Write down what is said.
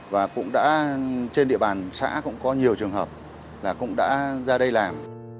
và cũng đã trên địa bàn xã cũng có nhiều trường hợp là cũng đã ra đây làm